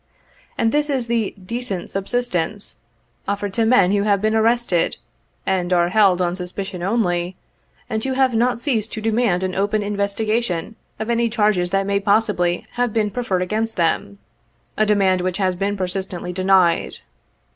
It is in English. And this is the ' decent subsistence,' offered to men who have been arrested, and are held on suspicion only, and who have not ceased to demand an open investigation of any charges that may possibly have been preferred against them ; a demand which has been persistently denied.